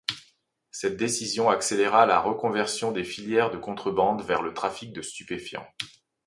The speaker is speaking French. Cette décision accéléra la reconversion des filières de contrebande vers le trafic de stupéfiants.